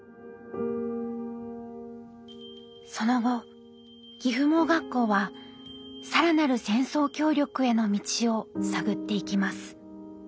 その後岐阜盲学校は更なる戦争協力への道を探っていきます。